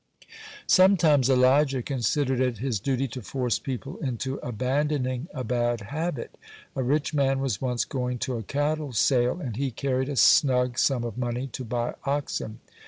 (70) Sometimes Elijah considered it his duty to force people into abandoning a bad habit. A rich man was once going to a cattle sale, and he carried a snug sum of money to buy oxen.